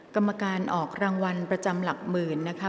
กรรมการออกรางวัลประจำหลักหมื่นนะคะ